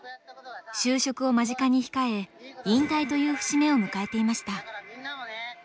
就職を間近に控え引退という節目を迎えていました。